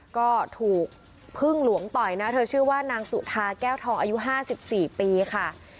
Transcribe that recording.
ก็ถูกพึ่งหลวงต่อยนะเธอชื่อว่านางสุธาแก้วทองอายุ๕๔ปีค่ะ